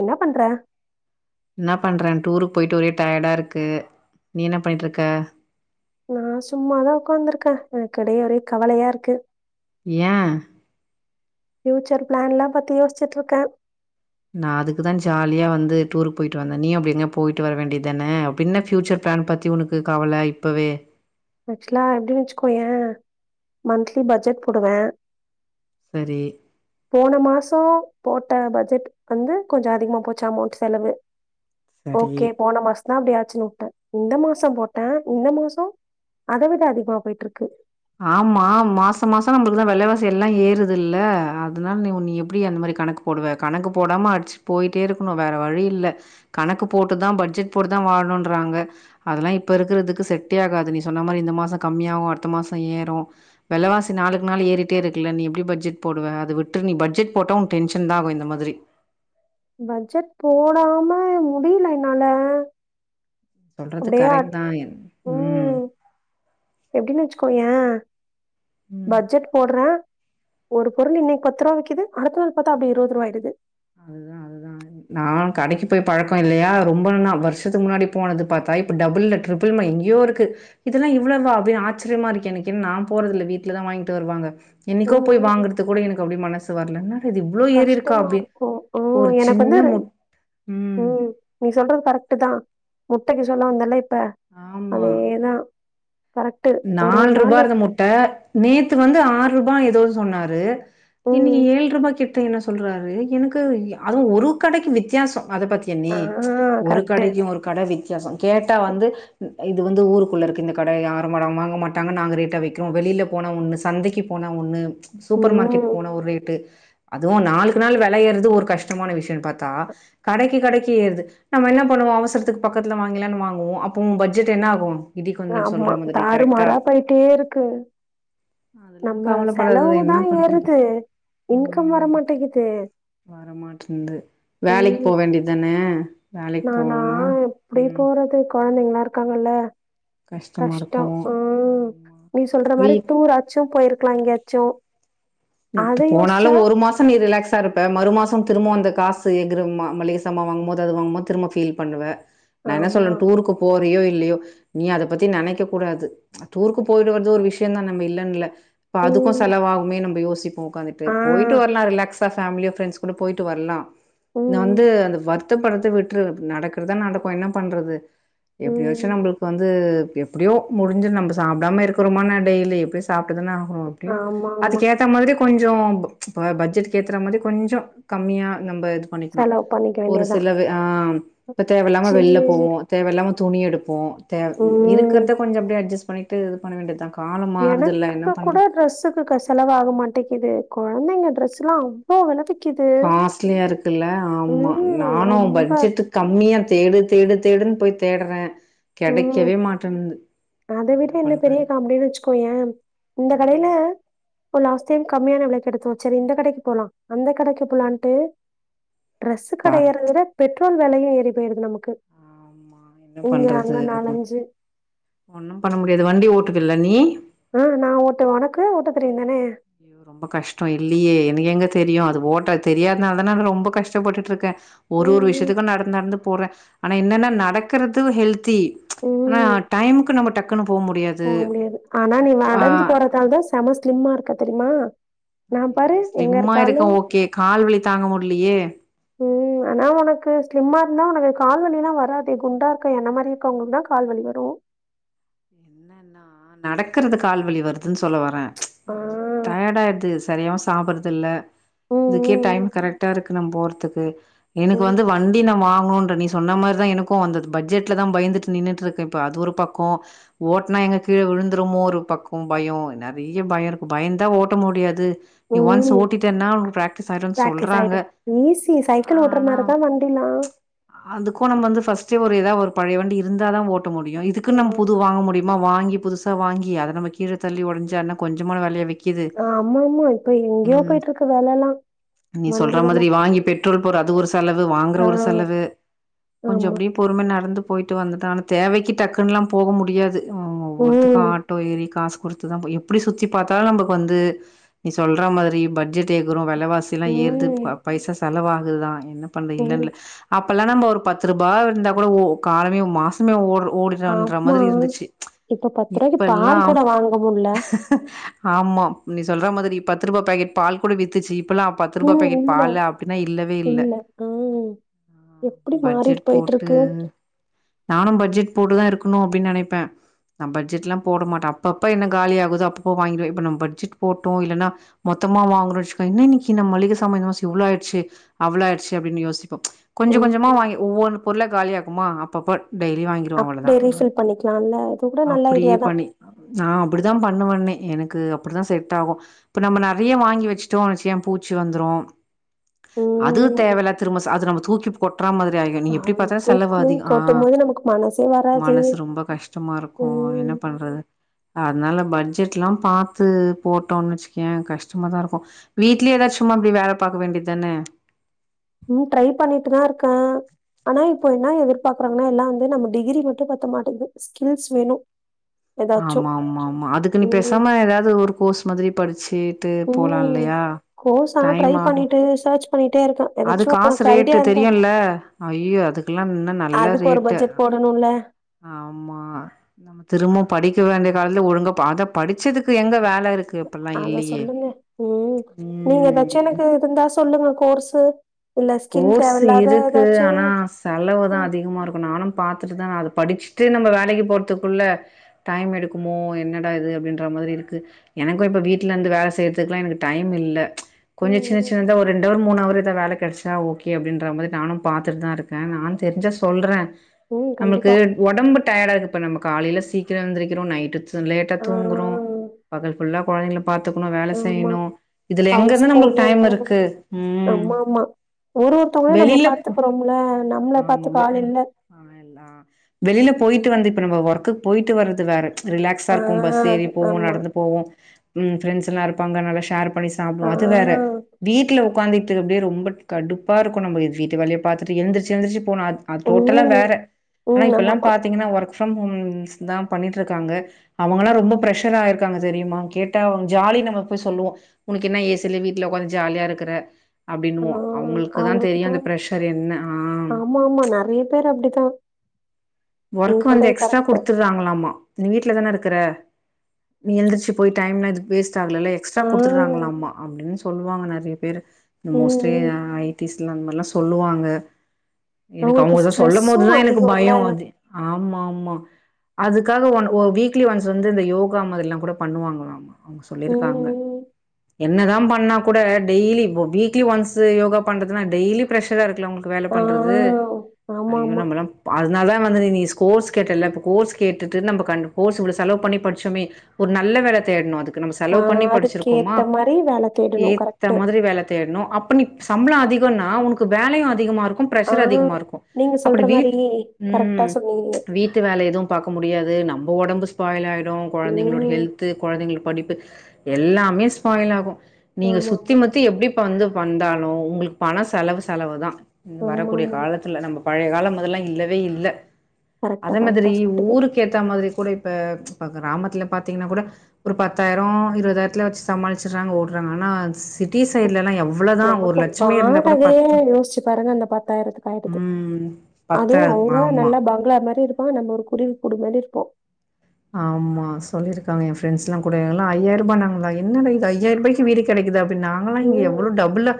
என்னா பண்ற என்ன பண்றே டூருக் போயிட்டு ஒரே டயடா இருக்கு நீ என்ன பண்ணிட் இருக்க நா சும்மாதா உக்காந்திருக்க எனக் [unintelligible] ஒரே கவலையா இருக்கு யே பியூச்சர் பிளான்ல்லா பத்தி யோச்சுட்டு இருக்கே நா அதுக்குதா ஜாலியா வந்து டூருக்கு போயிட்டு வந்தே நீயு அப்டி எங்கய போயிட்டு வர வேண்டியதுதானே அப்டின்ன ஃபியூச்சர் பிளான் பத்தி உனக்கு கவல இப்பவே ஆக்சுவலா எப்டி வச்சுக்கோய மந்திலி பட்ஜெட் போடுவ சரி போன மாசோ போட்ட பட்ஜெட் வந்து கொஞ்சம் அதிகமா போச்சு அமௌண்ட் செலவு சரி ஓகே போன மாஸ் அதா அப்டி ஆச்சுன்னு வுட்டே இந்த மாசம் போட்டே இந்த மாசம் அத விட அதிகமா போயிட்ருக்கு ஆமா மாச மாசம் நம்மளுக்குதா வெலவாசி எல்லாம் ஏறுது இல்ல அதனால நீ உ நீ எப்டி அந்த மாரி கணக்கு போடுவே கணக்கு போடாம அடிச்சுட்டு போயிட்டே இருக்கணு வேற வழி இல்ல கணக்கு போட்டுதா பட்ஜெட் போட்டுதா வாழணும்ன்றாங்க அதெல்லாம் இப்ப இருக்கிறதுக்கு செட்டே ஆகாது நீ சொன்ன மாரி இந்த மாசம் கம்மியாகும் அடுத்த மாச இப்ப ஏறும் வெலவாசி நாளுக்கு நாள் ஏறிட்டே இருக்குல நீ எப்டி பட்ஜெட் போடுவ அத விட்ரு நீ பட்ஜெட் போட்ட உன் டென்ஷன் தா ஆகும் இந்த மாத்ரி பட்ஜெட் போடாம முடியில என்னால சொல்றது அப்படியே கரெக்ட் அட்- தா என் உம் எப்டின்னு வச்சுக்கோயே ம். பட்ஜெட் போட்றே ஒரு பொருள் இன்னைக்கு பத்து ரூபா விக்குது அடுத்த நாள் பாத்தா அப்டி இருவது ரூபா ஆயிடுது. அதுதா அதுதா நா கடைக்கு போய் பழக்கொ இல்லையா ரொம்ப நா வருஷத்துக்கு முன்னாடி போனது பாத்தா இப்ப டபுள் இல்ல ட்ரிபிள்மா எங்கேயோ இருக்கு இதெல்லா இவ்வளவா அப்டினு ஆச்சரியமா இருக்கே எனக்கு என்னா நா போறதில்ல வீட்டுலதா வாங்கிட்டு வருவாங்க என்னைக்கோ ம், போய் ம். வாங்குறக்கு கூட எனக் அப்டி மனசு வரலங்க இது இவ்ளோ ஏறி இருக்கா அப்டி ஒரு உம் எனக்கு சின்ன வந்து ஒரு முட் ம் நீ சொல்றது கரெக்ட் தா. முட்டக்கு சொல்ல வந்தல்ல இப் ப்ப ஆமா அதேதா நால் ரூபா இருந்த முட்ட நேத்து வந்து ஆறு ரூபா ஏத் தோ சொன்னாரு இனிக்கி ம். ஏழ் ரூபாய்க்கி எப் இப்ப என்னா சொல்றாரு எனக்கு அதுவும் ஒரு கடைக்கு வித்தியாசம் அத பத்திய நீ ஆ ஒரு கரெக்ட்டு. கடக்கியு ஒரு கட வித்தியாசம் கேட்டா வந்து இது வந்து ஊருக்குள்ள இருக்க கடையா வரமாடம் வாங்க மாட்டாங்க நாங்கள் ரேட்டாக வைக்கிறோம் வெளியில் போனாலும் சந்தைக்கு போனாலும் ஒன்னு சூப்பர் மார்க்கெட் ம். போன ஒரு ரேட்டு அதுவும் நாளுக்கு நாள் விலை ஏறுது ஒரு கஷ்டமான விஷயம்னு பாத்தா கடைக்கு கடைக்கு ஏறுது நம்ம என்ன பண்ணிவோம் அவசரத்துக்கு பக்கத்துல வாங்கலானு வாங்குவோம் அப்போ பட்ஜெட் என்ன ஆகு எதுக்குமே [unintelligible] சுமாரா போயிட்டே இருக்கு அதெல்லாம் நம்ம கவலைப்படாதே செலவு என்ன தான் பண்றது ஏறுது. இன்கம் வர உம் மாட்டேங்குது. வரமாட்டனது வேலைக்கு ம். போக வேண்டியதான வேலைக்கு நானா போனா எப்படி ம் போறது கொழந்தைங்க நாற்கார்களா கஷ்டமா இருக்கு கஷ்டம் உஹம் ஆமா நீ சொல்ற மாதிரி வீட் டூராச்சு ட்ரிப் போயிருக்கலாம் எங்கயாச்சு த்து போனாலு ஒரு மாசோ நீ ரிலாக்ஸ் இருப்ப மறு மாசம் திரும்ப அந்த காசு எகுறும் மளிகை சாமான் வாங்கும்போது அதனால திரும்ப பீல் பண்ணுவ நான் என்ன ஆமா. சொல்லுவேன் டூருக்கு போறியோ இல்ல நீ அதை பத்தி நினைக்க கூடாது டூருக்கு போறது ஒரு விஷயம்தா நம்ப இல்லன்ல்ல இப்ப அதுக்கும் ம். செலவாகுமே நம்ம யோசி இப்போம் வந்துட்டு ஆ போயிட்டு வரலாம் ரிலாக்ஸ் அப் ஃபேமிலியா ஃப்ரெண்ட்ஸ் கூட போயிட்டு வரலாம் நான் வந்து ம் அந்த வர் பத்து படத்து விட்று நடக்குறதான் நடக்கும் என்ன பண்றது எட்டு வருஷ ம் நம்மளுக் வந்து எப்படியோ முடிஞ்ச நம்ம சாப்பிடாம இருக்கிறமோ நா டெய்லி எப்பயோ சாப்ப எதனா ஆகும் அப்படி ஆமா ஆமா அதுக்கு ஏத்த மாதிரி கொஞ்சம் இப்போ பட்ஜெட் ஏத்துற மாதிரி கொஞ்சம் கம்மியா நம்ம. பண்ணிக்கணும் செலவு பண்ணிக்க ஒரு வேண்டியதான் சில அ தேவையில்லாம சரி வெளில போவோம் தேவையில்லாம துணி எடுப்போம் பேர் ம் இருக்கிறத கொஞ்ச அப்படியே அட்ஜஸ் பண்ணிட்டு பண்ணா வேண்டியதா காலம் மாறுதுல்ல என்ன ஒருக்க கூட பண்ற டிரஸ்ஸுக்கு செலவாக மாட்டேங்குது இது கொழந்தைங்க டிரஸ்லாம் அவ்வள விலைக்கி காஸ்லியா இருக்குல ஆமா ம் நானும் என் ரொம்ப பட்ஜெட்டுக்கு கம்மியா தேடு தேடு தேடுன் போய் தேடறேன் உம் அதை விட என்ன பெரிய காமெடினு வச்சுக்கோயேன் இந்த கடையில இப்போ லாஸ்ட் டைம் கம்மியான விலைக்கு எடுத்தோம் செரி இந்த கடைக்கு போலாம் அந்த கடைக்கு போலான்ட்டு ட்ரெஸு கடயேறது பாத் விட பெட்ரோ டீசல் வெலயும் ஏறி போயிறுது நமக் க்கு இங்க து அங்க நாலஞ்சு ஒன்னும் பண்ண முடியாது வண்டி ஓட்டுது இல்ல நீ ஆஹ் நா ஓட்டுவேன் உனக்கு ஓட்டத் தெரியும் தான ரொம்ப கஷ்டம் இல்லயே எனக்கு எங்க தெரியும் அது ஓட்ட தெரியாதுனால தான நா ரொம்ப கஷ்டப்பட்டுட்டு இருக்கேன் ஒரு ம் ஒரு ம் விஷயத்துக்கும் நடந்து நடந்து போறே ஆனா என்னன்ன நடக்கறது ஹெல்தி ஆனா டைமுக்கு நம்ம டக்குனும் போ முடியாது ஆனா நீ நடந்து போறதால தான் செம ஸ்லிம்மா இருக்க தெரிமா ஐய்யயோ ஸ்லிம்மா இருக்க ஓக்கே கால்வலி தாங்க முடிலயே உம் ஆனா உனக்கு ஸ்லிம்மா இருந்தா உனக்கு கால்வலிலாம் வராதே குண்டா இருக்க என்ன மாரி இருக்கவங்களுக்கு தான் கால்வலி வரும் நடக்கறது கால்வலி வருதுன்னு சொல்ல வரேன் ஆ ச் டயர்ட் ஆயிடுது சரியாவும் சாப்றதில்ல ம் இதுக்கே டைம் ம் கரெக்டா இருக்கு நா போற த்துக்கு எனக்கு ம் வந்து ம் வண்டி நா வா ங்கனுன்டு நீ சொன்ன மாரிதா எனக்கு வந்தது பட்ஜெட்லதா பயந்துட்டு நின்னுட்டு இருக்கேன் இப்போ அது ஒரு பக்கோ ஓட்னா எங்க கீழ விழுந்துறுமோ ஒரு பக்கோ பயோ நெறைய பயோ இருக்கு பயந்தா ஓட்ட முடியாது நீ ஒன்ஸ் ம் ஓட்டிட்டேன்னா உனக்கு பிராக்டிஸ் ஆயிருன்னு பிராக்டிஸ் சொல்றாங்க ஆயிடு ஈஸி சைக்கிள் ஓட்டுற ஆனா மாரிதா வண்டிலா அதுக்கும் நம்ம வந்து ஃபர்ஸ்ட் ஒரு எதாவது ஒரு பழைய வண்டி இருந்தாதா ஓ ட்ட முடியு ஆ இதுக்குன்னு நம்ம புது வாங்க முடியுமா வாங்கி புதுசா வாங்கி அத நம்ம கீழ தள்ளி ஒடன்ச்சனா கொஞ்சமான வெலயா வி க்கிது ஆமா ஆமா இப்ப எங்கேயோ ம் போயிட்டு இருக்கு வெலலா நீ வண்டி சொல்ற வெல மாதிரி வாங்கி பெட்ரோல் போற அது ஒரு செலவு வாங்குற ஆ ஒரு செலவு கொஞ்சம் ஆமா அப்டி பொறும நடந்து போயிட்டு வந்துட்டா ஆனா தேவைக்கு டக்குன்லாம் போவ முடியாது இதுக்கா ம் ஆட்டோ ஏறி காசு குடுத்துதான் புரியு எப்டி சுத்தி பாத்தாலும் நமக்கு வந்து நீ சொல்ற மாரி பட்ஜெட் எகிறும் வெ வெல வாசிலா ஏறுது ம் ப பைசா செலவா இதெல்லா என்ன பண்ண ம் இல்லன்ல அப் இப்பல்லாம் நம்ப ஒரு பத்து ரூபா இருந்தா கூட ஒரு காலமே மாசமே ஓடும் ஆமா இப்ப பாத் இப்பல்லா [unintelligible] ஆமா நீ சொல் அ மாதிரி பத்து ரூபா பாக்கெட் பால்கூட வித்துச்சி இப்பல்லாம் பத்து ரூபாய் ம். பேக்கெட் இல்ல, பால் அப்படின்னா இல்லவே இல்ல எப்படி மாறிட்டு பட்ஜெட் போயிட்டு போட்டு இருக்கு. நானும் பட்ஜெட் போட்டுதான் இருக்கணும் அப்படின்னு நினைப்பேன் நான் பட்ஜெட்ல்லா போட மாட்டே அப்ப அப்ப என்ன காலி ஆகுதோ அப்போ அப்போ வாங்கி வைப்பேன் இப்ப நம் பட்ஜெட் போட்டோ இல்லன்னா மொத்தமா வங்குரோ வச்சுகோ என்ன இன்னைக்கு நம் மளிக சாமான் செலவு இவ்ளோ ஆயிடுச்சு அவ்ள ஆயிச்சு அப்படின்னு யோசிப்போம் கொஞ்ச கொஞ்சமாக ம். வாங்கி ஒவ்வொன்னு பொருள காலியாக்குமா அப்பப்ப டெய்லி அப்படியே ரீபில் பண்ணிக்கலாள அதவிட அப்பிடியே பண்ணி நான் அப்பிடி தான் பண்ணுவனே எனக்கு அப்படித்தான் செட் ஆகும் இப்ப நம்ம நறைய வாங்கி வச்சுட்டோம்ச்ச பூச்சி வந்துரும் அது ம். தேவயில்ல திரும சார்ஜர அவுங்க தூக்கி போட்டுட்டு [unintelligible] நீ அ எப்படி பாத்த செலவு தூக்கு அதிகம் ஆஹ் கொட்டும்போது நமக்கு மனசே வராது. மனசு ரொம்ப கஷ்டமா இருக்கும் ஓ ம். என்ன பண்றது அதனால பட்ஜெட்ல்லாம் பாத்து போட்டோம்ன்னு வச்சுக்கயே கஷ்டமாாதான் இருக்கும் வீட்லயே ஏதாச்சும் சும்மா அப்பிடி வேல பாக்க வேண்டியதுதானே உம் ட்ரை பண்ணிட்டு தான் இருக்கேன் ஆனா இப்போ என்ன எதிர்பாக்கறாங்கன்னா எல்லா வந்து நம்ம டிகிரி மட்டும் பத்த மாட்டேங்குது ஸ்கில்ஸ் வேணும் ஏதாச்சும். ஆமா ஆமா ஆமா அதுக்கு நீ பேசாம ஏதாவது ஒரு கோர்ஸ் மாதிரி படிச்சு ஓ கோர்ஸா ட்ரை டைம் ஆகு பண்ணிட்டு சர்ச் பண்ணிட்டே இருக்கேன். அது ஏதாச்சும் காசு உனக்கு ஐடியா ரேட்டு இருந்தா தெரியும்ல ஐயோ அதுக்கெல்லா இன்ன நல்ல அதுக்கு ஒரு ரேட்டு பட்ஜெட் போடணும்ல. ஆமா நம்ம திரும்ப படிக்க வேண்டிய காலத்தில ஒழுங்க ப அத படிச்சதுக்கு எங்க வேற அத சொல்லுங்க உம் நீங்க எதாச்சு ம் எனக்கு இருந்தா சொல்லுங்க கோர்ஸு இல்ல ஸ்கில் கோர்ஸ் தேவயில்லாத இருக்கு ஏதாச்சு ஆனா செலவுதான் ம் அதிகமா இருக்கும் நானும் பாத்துட்டு தான் அது படிச்சுட்டு நம்ம வேலைக்கு போறதுக்குள்ள டைம் எடுக்குமோ என்னடா இது அப்படின்ற மாதிரி இருக்கு எனக்கும் இப்ப வீடல இருந்து வேலை செய்யறதுக்குல்லா எனக்கு டைம் இல்ல ம் கொஞ்சோ சின்ன ம் சின்னதா ஒரு ரெண்டுஅவர் மூணுஅவர் ஏத வேல கிடைச்ச த்த ஓகே அப்படின்ற மாதிரி நானும் பாத்துட்டு தான் இருக்கேன் நான் தெரிஞ்சா சொல்கிறேன் ம் நம்மக்கு கண்டிப்பா உடம்பு டயர்ட ஆகு இப்ப நம்ம காலையில சீக்கிரம் எந்திரிக்கிறோம் நைட் த்து லேட்டா ஆ தூங்குறோம் பகல் ஃபுள்ள குழந்தை பாாரத்துக்கணும் வேலை ஆமா செய்யணும் இதுல எங்க அவங்க இருந்து ஸ்கூல்ல நம்மளுக்கு டைம் இருந்து வரும் இருக்கு உம் உம் ஆமா ஆமா ஒரு ஒருத்தவங்களையும் நம்ம பாத்துக்கிறோம்ல நம்மளை ஆமா பாத்துக்க வெ ஆள் இல்ல ஆ எல்லா வெளில போயிட்டு வந்து இப்ப நம்ம ஒர்க்குக்கு போயிட்டு வறது வேற ரிலாக்ஸா ஆ இருக்கும் பஸ் ஏறி போவோம் ஆமா நடந்து போவோம் ம் ஃப்ரெண்ஸ்லாம் இருப்பாங்க நல்லா ஷேர் பண்ணி ஆ சாப்டுவோம் அது வேற வீட்ல உக்காந்துட் அப்டியே ரொம்ப ட் கடுப்பாருக்கு நம்ம இது வீட்டு வேலைய பாத்துட்டு எழுந்திரிச்சு எழுந்திரிச்சு போனா அது டோட்டலா ம் வேற ஆனா ம் இப்பல்லா ஆமாமா பாத்தீங்கன்னா ஒர்க் ஃப்ரம் ஹோம்ஸ் தான் பண்ணிட்ருக்காங்க அவங்கல்லா ரொம்ப ப்ரெஷர் ஆ இருக்காங்க தெரியுமா கேட்டா அவங்க ஜாலி நம்ம போய் சொல்லுவோ உனக்கென்ன ஏசிலே வீட்ல உக்காந் ஜாலியா இருக்கற ஆ அப்டின்வோ அவுங்ளுக்குதான் தெரியு அவங்களுக்குதா அந்த ப்ரஷர் என்ன ஆ ஆமா ஆமா நெறைய பேர் அப்டிதா நீ ஒர்க் வந்து சொல்றது எக்ஸ்ட்ரா கரெக்ட்டு குடுத்துர்றாங்களாமா நீ வீட்லதான இருக் க்குற நீ எழுந்திரிச்சு போய் டைம்லா இது வேஸ் ஸா அதுலலே எக்ஸ்ட்ரா ஆ குடுத்துர்றாங்களாமா அப்டின்னு சொ சொல்லுவாங்க நெறைய பேரு இந்த ம் மோஸ்ட்லி ம் அ ஐடிஸ் ட்ல அந் மாரிலா சொல்லுவாங்க எனக்கு அவங்களுக்கு அவங்க அத ஸ்ட்ரெஸ்ஸு சொல்லும்போதுதா எனக்கு அதிகோ இல்ல பயோ அது ஆமா ஆமா அதுக்காக ஒன் ஒ வீக்லி ஒன்ஸ் வந்து இந்த யோகா மாரிலாங் கூட பண்ணுவாங்ளாமா அவுங் ம் சொல்லிருக்காங்க ம் என்னதா பண்ணா கூட டெய்லி இப்ப வீக்லி ஒன்ஸ் யோகா பண்றதுனா டெய்லி பிரெஷ்ஷராருக் துல அவுங்ளுக்கு வேல ஆ பண்றது ஆமா ஐய்யோ ஆமா நம்மலா அத நாள்தா வந்தது நீ ஸ்கோர்ஸ் கேட்டல இப்ப கோர்ஸ் கேட்டுட்டு நம்ம கண்டு கோர்ஸு இவ்ளோ செலவு பண்ணி படிச்சோமே ஒரு நல்ல வேல தேடணு அதுக் க்கு நம்ம ஆ செலவு பண்ணி அதுக்கு படிச்சிருக்கோமா ஏத்த மாரி வேல தேடணு ஏத்த கரெக்ட்டு மாதிரி வேல தேடணும் அப்ப நீ சம்பளம் அதிகம் க்குனா உனுக்கு வேலையு அதிகமாருக் ஆஹ் நீங்க சொல்ற மாரி கரெக்டா ம் சொன்னீங்க வீட்டு வேல எதுவு பாக்க முடியாது நம் ஒடம்பு ஃஸ்பாய்லாய் க்யோ கொழந்தைங்களோட ம் ஹெல்த்து கொழந்தைங்கள் படிப்பு க்கு எல்லாமே ஸ்பாயில்லாகு நீங்க ஆமா சுத்தி ஆமா முத்தி எப்டி ப வந்து வந்தாலு உங்களுக் பண செலவு செலவு தா இன்னு ஆமா வரக்கூடிய ஆமா காலத்துல நம்மொ பழைய காலமாதிரில்லா இல்ல வெயில்ல கரெக்டா அதே கரெக்டா மாதிரி சொன்னீங்க ஊருக்கேத்த மாதிரி கூட இப் ப்ப இப்ப கிராமத்துல பாத்தீங்கனா கூட ஒரு பத்தாயிரோ இருவதாயர்த்ல வெச்சு சமாளிச்சர்றாங்க ஓடுறாங்க ஆனா ஸ் நமக்கு இருந்தா கூட பத்து வாடகையே யோசிச்சு பாருங்க அந்த பத்தாயிரத்துக்காய்டுது ம் அ போ பத்தாது அவுங்க ஆமா நல்லா பங்ளா மாரி இருக் ப்போ நம்ம ஒரு குருவி கூடு மாரி இருக்கோ ஆமா சொல்லிருக்காங்க என் ஃப்ரெண்ட்ஸ்லா கூட எல்லா ஐயாய்ரூபானாங்களா, என்னடா இது ஐயாய்ரூபாய்க்கு வீடு கெடைக்குதா நாங்கெல்லா இங்க ம் எவ்ளோ டபுளா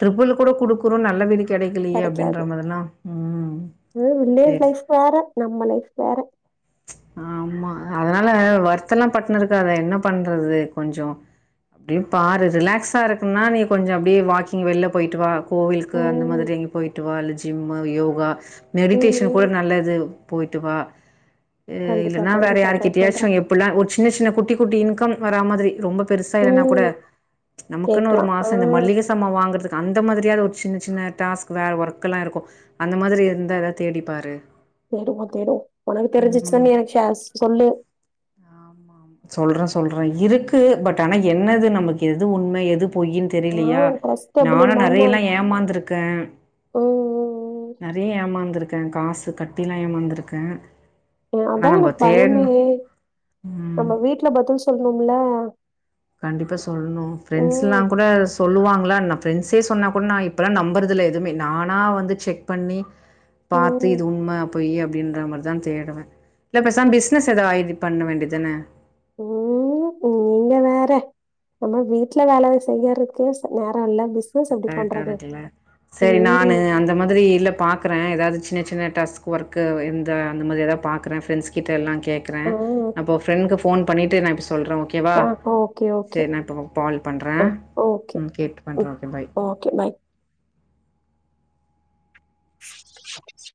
ட்ரிபிள் கூட குடுக்குறோ நல்ல வீ கெடைக்காது [unintelligible] வில்லேஜ் பேஸ் லைஃப் வேற நம்ம லைஃப் வேற ஆமா அதனால வருத்தல்லா பட்னு இருக்காத என்ன பண்றது கொஞ்சொ அப்டே பாரு ரிலாக்ஸா இருக்குன்னா நீ கொஞ்சொ அப்டே வாக்கிங் வெள்ள போய்ட்டு வா கோவில்க்கு அந்த ம் மாதிரி எங்க போய்ட்டு வா இல்ல ஜிம்மு யோகா ம் மெடிடேஷன் ம் கூட நல்லது போய்ட்டு வா ம் கண்டிப்பா, இல்லனா வேற கண்டிப்பா ட்ரை பண்றேன். யார்கிட்டயாச்சு எப்புட்ல்லா ஒர் சின்ன சின்ன குட்டி குட்டி இன்கம் வரா மாதிரி ரொம்ப பெருசா இல்லனா கூட ம். நமக்குன்னு ஒரு கேட்கலாம். ஆ மாசோ இந்த மள்ளிக சாமா வாங்கறதுக் அந்த மாதிரியாது ஒரு சின்ன சின்ன டாஸ்க் வே வொர்கெல்லா இருக்கு அந்த மாதிரி இருந்தா எதா தேடிப்பாரு தேடுவோ தேடு ஒனக்கு தெரிஞ்சுச்ன்னா எனக் ஷேர்ஸ் சொல்லு சொல்ற சொல்ற இருக்கு பட் ஆனா என்னது நமக் எது உண்ம எது பொய்யின் ஆ தெரீலியா ட்ரஸ்டபுள் நானு இல்லாம நெறையெல்லா ஏமாந்துருக்கே ம், அ றிய ஏமாந்துருக்க காசு கட்டில்லா ஏமாந்துருக்க அ அதா எனக்கு பயமே ம் நம்ம வீட் ல பதில் சொல்ணும்ல கண்டிப்பா சொல்ணு ஃப்ரெண்ட்ஸ்லா கூட சொல்லுவாங் ப்பல்லா நா ஃப்ரெண்ட்ஸே சொன்னா கூட நா இப்பல்லா நம்பறதில்ல எதுமே நானா வந்து செக் பண்ணி பாத்து ம், இது உண்ம பொய்யி அப் டின்ற மார்தா தேடுவ இல்ல பெசாம் பிஸ்னஸ் எதாவ் ஐ பண்ண வேண்டிதான ம் நீங்க வேற நம்ம வீட்ல வேல செய்யறக்கே சே நேரோ இல்ல பிசினஸ் எப்படி பண்றது? [unintelligible] செரி நானு ம். அந்த மாதிரி இல்ல பாக்குற எதாது ச் சின்ன சின்ன டஸ்க்கு ஒர்க்கு இந்த அந்த மாரி எதா பாக்கற ஃப்ரெண்ட்ஸ்கிட்ட எல்லா கேக்கறே ஆ. அப்ப ஃப்ரெண்க்கு ஃபோன் பண்ணிட்டு [unintelligible] சொல்ற ஓகேவா ஆ. Okay, okay. சேர் நா இப்ப பால் பண்றே ஆ. ஓகே. ம் கேட்டு ம். பண்றே பாய் ஓகே பாய்